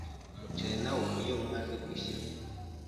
Umuceri na wo iyo umaze gushya